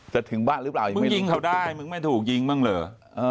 ถึงบ้านหรือเปล่ายังไม่รู้ยิงเขาได้มึงไม่ถูกยิงบ้างเหรอ